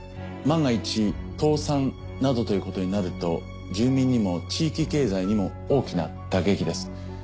万が一倒産などということになると住民にも地域経済にも大きな打撃です。